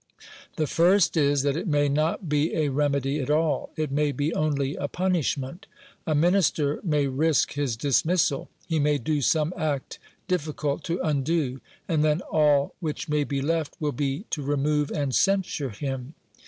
The first is that it may not be a remedy at all; it may be only a punishment. A Minister may risk his dismissal; he may do some act difficult to undo, and then all which may be left will be to remove and censure him.